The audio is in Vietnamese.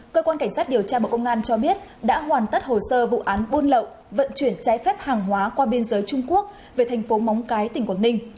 cơ quan cảnh sát điều tra bộ công an cho biết đã hoàn tất hồ sơ vụ án buôn lậu vận chuyển trái phép hàng hóa qua biên giới trung quốc về thành phố móng cái tỉnh quảng ninh